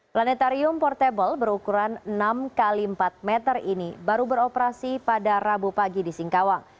planetarium portable berukuran enam x empat meter ini baru beroperasi pada rabu pagi di singkawang